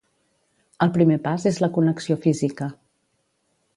El primer pas és la connexió física.